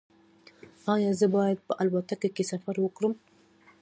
ایا زه باید په الوتکه کې سفر وکړم؟